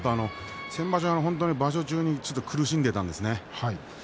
先場所の場所中に苦しんでいたんですね。